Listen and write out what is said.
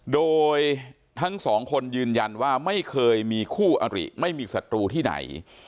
โดยทั้งสองคนยืนยันว่าไม่เคยมีคู่อริไม่มีศัตรูที่ไหน